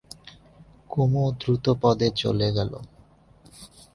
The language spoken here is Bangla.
কুমু দ্রুতপদে চলে গেল।